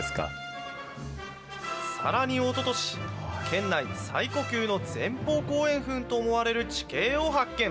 さらにおととし、県内最古級の前方後円墳と思われる地形を発見。